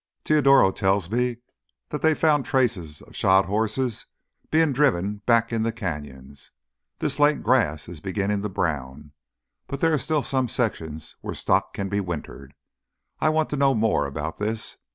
"Teodoro tells me that they've found traces of shod horses being driven back in the canyons. This late the grass is beginning to brown, but there are still some sections where stock can be wintered. I want to know more about this.